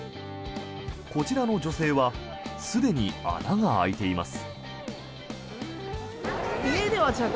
こちらの女性はすでに穴が開いています。